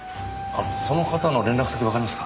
その方の連絡先わかりますか？